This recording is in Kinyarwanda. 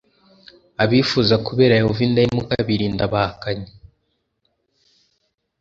abifuza kubera yehova indahemuka birinda abahakanyi